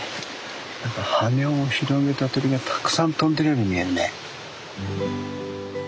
何か羽を広げた鳥がたくさん飛んでるように見えるね。